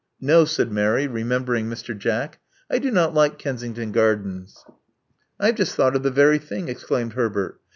No," said Mary, remembering Mr. Jack. I do not like Kensington Gardens." I have just thought of the very thing," exclaimed Herbert.